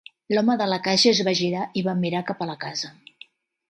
L'home de la caixa es va girar i va mirar cap a la casa.